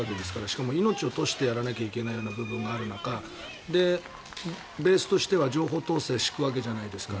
しかも命を賭してやらなければいけない部分がある中ベースとしては情報統制を敷くわけじゃないですか。